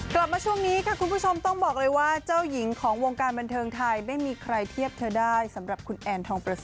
กลับมาช่วงนี้ค่ะคุณผู้ชมต้องบอกเลยว่าเจ้าหญิงของวงการบันเทิงไทยไม่มีใครเทียบเธอได้สำหรับคุณแอนทองประเส